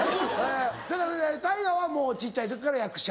だから太賀はもう小っちゃい時から役者。